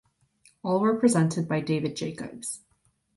All were presented by David Jacobs.